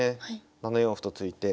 ７四歩と突いて。